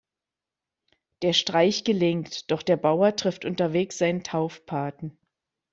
Der Streich gelingt, doch der Bauer trifft unterwegs seinen Taufpaten.